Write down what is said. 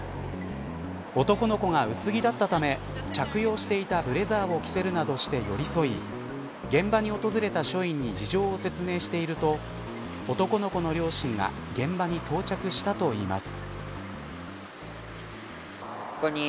男の子が薄着だったため着用していたブレザーを着せるなどして寄り添い現場に訪れた署員に事情を説明していると男の子の両親が現場に到着したといいます。